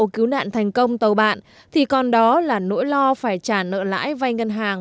cứu nạn thành công tàu bạn thì còn đó là nỗi lo phải trả nợ lãi vay ngân hàng